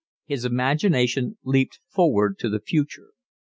His imagination leaped forward to the future.